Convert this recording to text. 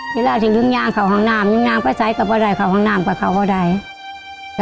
เวลาที่ลึงยางเขาห้องน้ำลึงน้ำก็ใส่กับว่าใดเขาห้องน้ำก็เขาห้องน้ำ